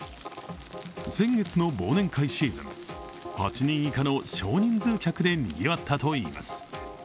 先月の忘年会シーズン、８人以下の少人数客でにぎわったといいます。